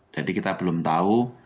jadi kita belum tahu